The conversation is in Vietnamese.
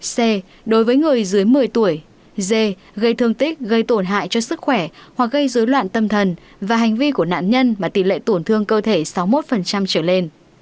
c gây thương tích gây tổn hại sức khỏe hoặc gây dối loạn tâm thần và hành vi của nạn nhân mà tỷ lệ tổn thương cơ thể sáu mươi một trở lên